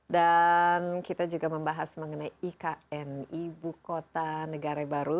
dan kita juga membahas mengenai ikn ibu kota negara baru